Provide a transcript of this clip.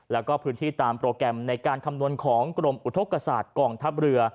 แล้วก็พื้นที่ตามโปรแกรมในการคำนวณของกรมอุทธกษาตกองทัพเรือ